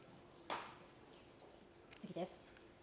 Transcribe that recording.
次です。